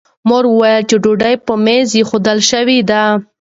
مور مې وویل چې ډوډۍ په مېز ایښودل شوې ده.